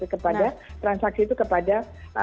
kepada transaksi itu kepada